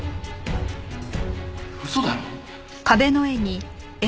嘘だろ？